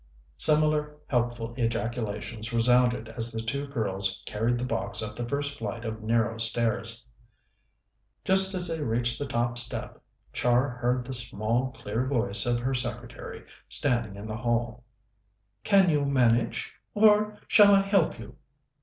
Similar helpful ejaculations resounded, as the two girls carried the box up the first flight of narrow stairs. Just as they reached the top step, Char heard the small, clear voice of her secretary, standing in the hall. "Can you manage, or shall I help you?"